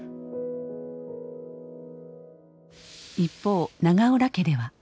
一方永浦家では。